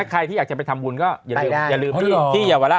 ใครที่อยากจะไปทำบุญก็อย่าลืมที่เยาวราช